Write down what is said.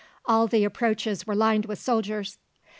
All the approaches were lined with soldiers.